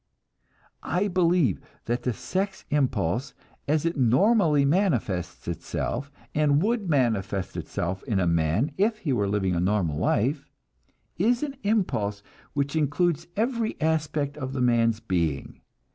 I believe that the sex impulse, as it normally manifests itself, and would manifest itself in a man if he were living a normal life, is an impulse which includes every aspect of the man's being.